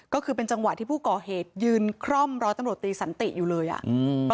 ก็คือเป็นจังหวะที่ผู้ก่อเหตุยืนคร่อมร้อยตำรวจตีสันติอยู่เลยอ่ะอืม